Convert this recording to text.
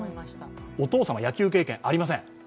お父様、野球経験ありません。